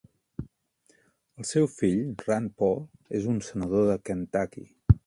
El seu fill, Rand Paul, és un Senador de Kentucky.